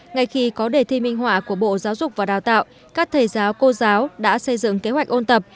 ngay khi có đề thi minh họa của bộ giáo dục và đào tạo các thầy giáo cô giáo đã xây dựng kế hoạch ôn tập